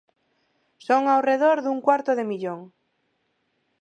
Son ao redor dun cuarto de millón.